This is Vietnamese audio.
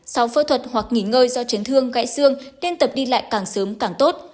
sau phẫu thuật hoặc nghỉ ngơi do chấn thương gãy xương nên tập đi lại càng sớm càng tốt